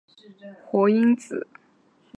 二磷酸腺苷与钙离子是酶的变构增活因子。